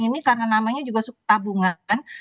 ini karena namanya juga tabungan